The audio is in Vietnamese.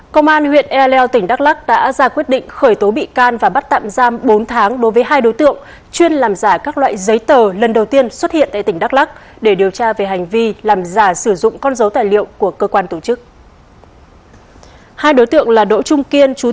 công an huyện e leo tỉnh đắk lắc đã ra quyết định khởi tố bị can và bắt tạm giam bốn tháng đối với hai đối tượng chuyên làm giả các loại giấy tờ lần đầu tiên xuất hiện tại tỉnh đắk lắc để điều tra về hành vi làm giả sử dụng con dấu tài liệu của cơ quan tổ chức